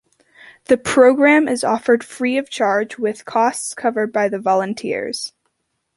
The program is offered free of charge with costs covered by the volunteers.